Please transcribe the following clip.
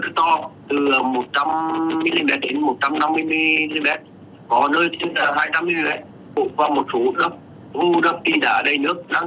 từ các địa phương